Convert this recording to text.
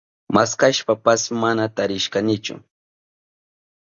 Maskashpapas mana tarishkanichu.